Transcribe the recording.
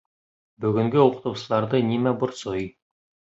Бөгөнгө уҡытыусыларҙы нимә борсой?